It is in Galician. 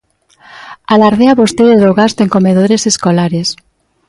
Alardea vostede do gasto en comedores escolares.